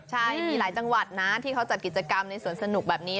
ใช่มีหลายจังหวัดนะที่เขาจัดกิจกรรมในสวนสนุกแบบนี้